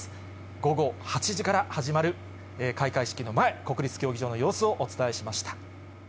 午後８時から始まる開会式の前、国立競技場の様子をお伝えしました。